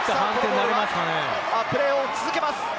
プレーを続けます。